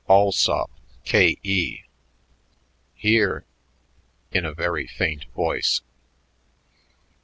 Allsop, K.E." "Here" in a very faint voice.